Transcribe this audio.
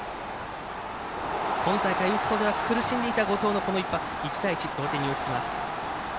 今大会打つことなく苦しんでいた後藤の一発１対１、同点に追いつきます。